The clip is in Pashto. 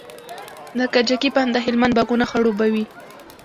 د کجکي بند د هلمند باغونه خړوبوي.